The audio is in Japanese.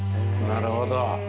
なるほど。